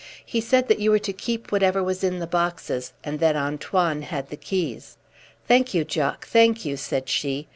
"He said that you were to keep whatever was in the boxes, and that Antoine had the keys." "Thank you, Jock, thank you," said she.